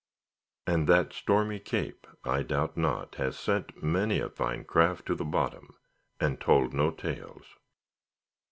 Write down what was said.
And that stormy Cape, I doubt not, has sent many a fine craft to the bottom, and told no tales.